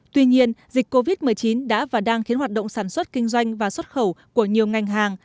tuy nhiên dịch covid một mươi chín đã và đang khiến hoạt động sản xuất kinh doanh và xuất khẩu của nhiều ngành hàng